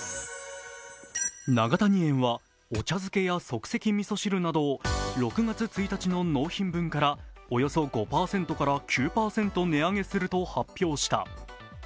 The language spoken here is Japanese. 永谷園はお茶づけや即席みそ汁などを６月１日の納品分からおよそ５％から９％値上げすると発表した。